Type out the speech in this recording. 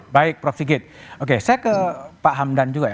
baik prof sigit oke saya ke pak hamdan juga ya